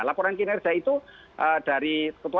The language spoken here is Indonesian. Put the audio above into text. laporan kinerja itu dari